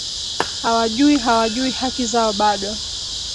hawajui hawajui haki zao bado